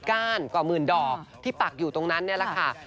ก้านกว่ามีนดอกที่ปักอยู่ตรงนั้นแล้วนะคะ